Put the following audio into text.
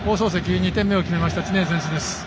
２点目を決めた知念選手です。